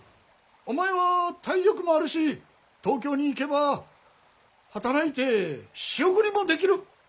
お前は体力もあるし東京に行けば働いて仕送りもできる。